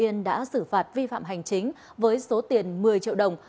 yên đã xử phạt vi phạm hành chính với số tiền một mươi triệu đồng